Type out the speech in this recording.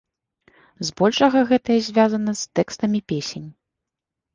Збольшага гэтае звязана з тэкстамі песень.